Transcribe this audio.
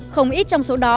không ít trong số đó